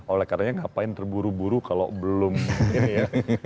oleh karenanya ngapain terburu buru kalau belum ini ya